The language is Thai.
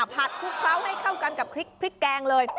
ผัดครุกคราวให้เข้ากันกับพริกแกงเลย